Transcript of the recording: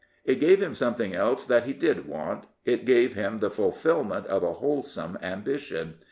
It gave him something else that he did want. It gave him the fulfilment of a wholesome ambition.